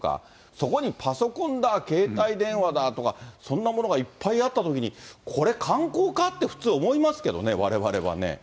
そこにパソコンだ、携帯電話だとか、そんなものがいっぱいあったときに、これ、観光かって思いますけどね、われわれはね。